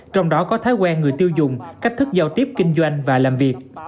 trong đó có thói quen người tiêu dùng cách thức giao tiếp kinh doanh và làm việc